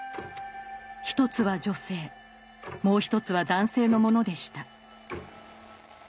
一つは女性もう一つは男性のものでした。